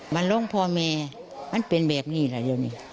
มันลงพ่อแม่มันเป็นแบบนี้แหละเดี๋ยวนี้